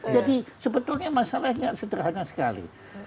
sebetulnya masalahnya sederhana sekali